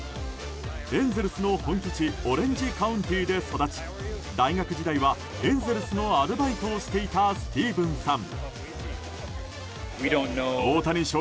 エンゼルスの本拠地オレンジカウンティで育ち大学時代はエンゼルスのアルバイトをしていたスティーブンさん。